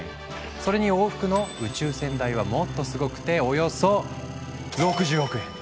それに往復の宇宙船代はもっとすごくておよそ６０億円。